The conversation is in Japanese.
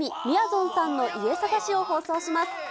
みやぞんさんの家探しを放送します。